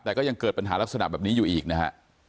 แต่ก็ยังเกิดปัญหาลักษณะแบบนี้อยู่อีกนะฮะ